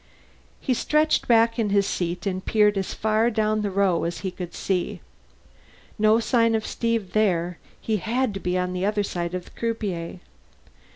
He stretched back in his seat and peered as far down the row as he could see. No sign of Steve there; he had to be on the other side of the croupier.